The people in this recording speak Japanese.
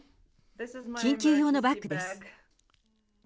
緊急用のバッグです。